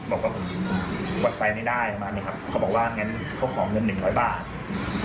เขาก็บอกว่าขวดไปไม่ได้มารถอย่างนี้ครับ